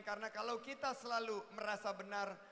karena kalau kita selalu merasa benar